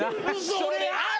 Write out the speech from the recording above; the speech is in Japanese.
それある？